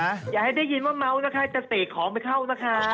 อยากให้ได้ยินว่ามา๊วนนะคะจะเตะของไปเข้านะคะ